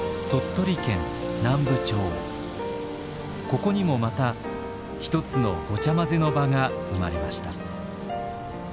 ここにもまた一つのごちゃまぜの場が生まれました。